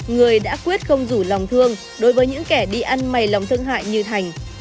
người đã quyết không đủ lòng thương đối với những kẻ đi ăn mày lòng thương hại như thành